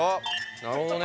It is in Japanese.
なるほどね！